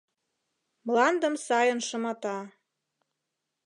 Мландым сайын шымата;